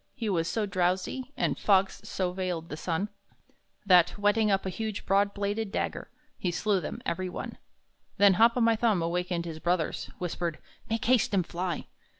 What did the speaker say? He was so drowsy, And fogs so veiled the sun, That, whetting up a huge, broad bladed dagger, He slew them, every one. Then Hop o' my Thumb, awakening his brothers, Whispered: "Make haste and fly!"